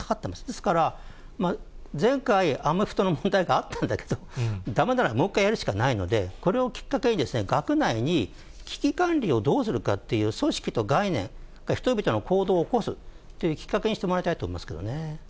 ですから、前回、アメフトの問題があったんだけど、だめならもう一回やるしかないので、これをきっかけに、学内に危機管理をどうするかっていう組織と概念、人々の行動を起こすっていうきっかけにしてもらいたいと思います